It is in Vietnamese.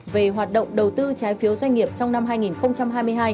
về hoạt động đầu tư trái phiếu doanh nghiệp trong năm hai nghìn hai mươi hai